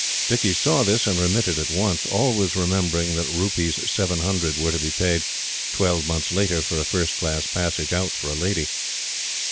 Dicky saw this, and remitted at once; always remembering that Rs. 700 were to be paid, twelve months later, for a first class passage out for a lady.